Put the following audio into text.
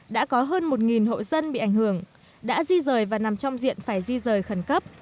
đã có hơn một hộ dân bị ảnh hưởng đã di rời và nằm trong diện phải di rời khẩn cấp